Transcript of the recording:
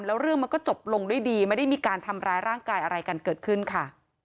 แล้วเรื่องมันก็จบลงด้วยดีไม่ได้มีการทำร้ายร่างกายอะไรกันเกิดขึ้นค่ะ